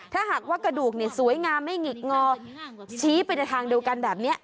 ถ้าหากว่ากระดูกสวยงามไม่หงิกงอชี้ไปในทางเดียวกันแบบนี้